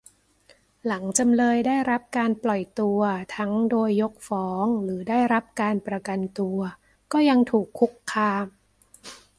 หลังจำเลยได้รับการปล่อยตัวทั้งโดยยกฟ้องหรือได้รับการประกันตัว ก็ยังถูกคุกคาม